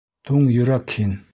— Туң йөрәк һин!